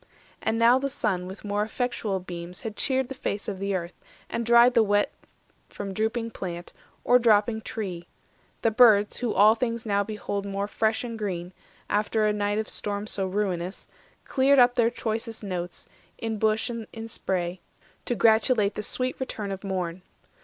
And now the sun with more effectual beams Had cheered the face of earth, and dried the wet From drooping plant, or dropping tree; the birds, Who all things now behold more fresh and green, After a night of storm so ruinous, Cleared up their choicest notes in bush and spray, To gratulate the sweet return of morn.